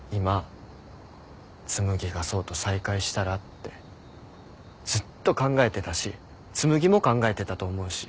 今紬が想と再会したらってずっと考えてたし紬も考えてたと思うし。